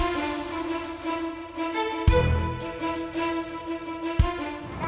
udah kita ke kantin yuk